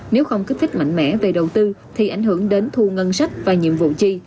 nếu không kích thích mạnh mẽ về đầu tư thì ảnh hưởng đến thu ngân sách và nhiệm vụ chi